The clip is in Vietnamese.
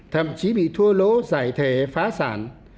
thậm chí bị thua lỗ giải thể phá sản